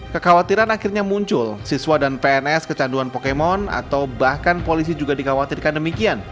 kekhawatiran akhirnya muncul siswa dan pns kecanduan pokemon atau bahkan polisi juga dikhawatirkan demikian